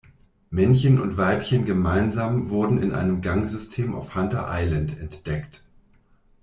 Männchen und Weibchen gemeinsam wurden in einem Gangsystem auf "Hunter Island" entdeckt.